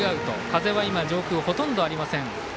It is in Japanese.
風は今、上空ほとんどありません。